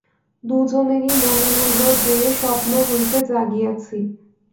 দুইজনেরই মনে হইল যে, স্বপ্ন হইতে জাগিয়াছি।